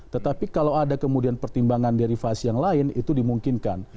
tetapi kalau ada pertimbangan dari fase yang lain itu dimungkinkan